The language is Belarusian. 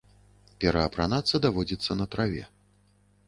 Пераапранацца даводзіцца на траве.